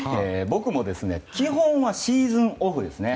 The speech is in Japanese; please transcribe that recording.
僕も基本はシーズンオフですね。